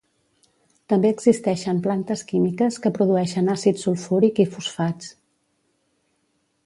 També existeixen plantes químiques que produeixen àcid sulfúric i fosfats.